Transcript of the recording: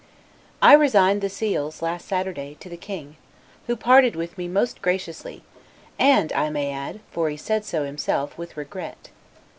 I resigned the seals, last Saturday, to the King; who parted with me most graciously, and (I may add, for he said so himself) with regret.